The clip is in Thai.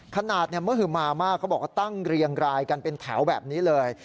ขนาดมหือมามากเขาบอกว่าตั้งเรียงรายกันเป็นแถวแบบนี้เลย